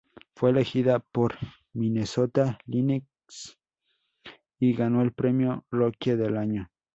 Fue elegida por Minnesota Lynx y ganó el premio Rookie del Año.